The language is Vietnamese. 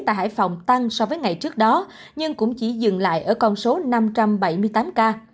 tại hải phòng tăng so với ngày trước đó nhưng cũng chỉ dừng lại ở con số năm trăm bảy mươi tám ca